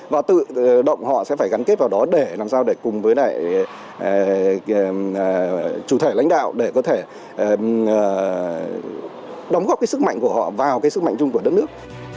và tự động họ sẽ phải gắn kết vào đó để làm sao để cùng với lại chủ thể lãnh đạo để có thể đóng góp cái sức mạnh của họ vào cái sức mạnh chung của đất nước